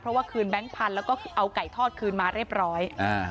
เพราะว่าคืนแบงค์พันธุ์แล้วก็เอาไก่ทอดคืนมาเรียบร้อยอ่า